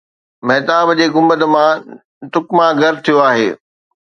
مهتاب جي گنبد مان ٽڪما گر ٿيو آهي؟